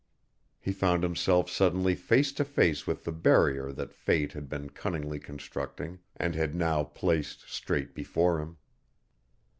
He found himself suddenly face to face with the barrier that Fate had been cunningly constructing and had now placed straight before him.